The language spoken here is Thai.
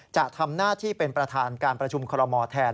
จะทำหน้าที่เป็นประธานการประชุมคอรมอแทน